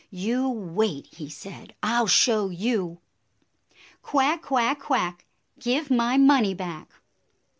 "You wait," he said; " I 'll show you ! "Quack, quack, quack! Give my money back."